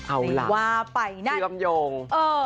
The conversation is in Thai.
เอาล่ะเตรียมโยง